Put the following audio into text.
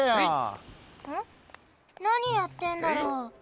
なにやってんだろ？